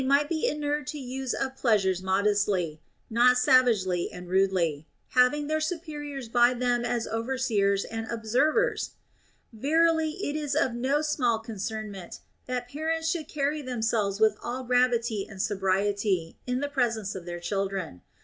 223 might be inured to use of pleasures modestly, not savagely and rudely, having their superiors by them as overseers and observers 1 Verily it is of no small concernment that parents should carry themselves with all gravity and so briety in the presence of their children.